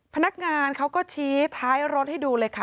พนักงานเขาก็ชี้ท้ายรถให้ดูเลยค่ะ